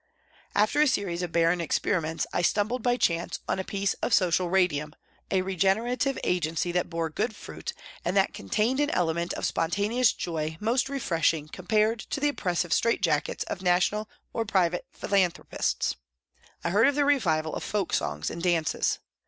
After a series of barren experiments, I stumbled by chance on a piece of social radium, a regenerative agency that bore good fruit and that contained an element of spontaneous joy most refreshing compared to the oppressive straight jackets of national or private philanthropists. I heard of the revival of folk songs and dances.